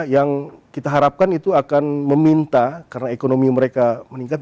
yang kita harapkan itu akan meminta karena ekonomi mereka meningkat